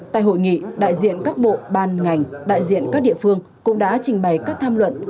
tại hội nghị đại diện các bộ ban ngành đại diện các địa phương cũng đã trình bày các tham luận